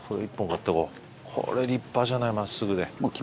これ立派じゃない真っすぐで。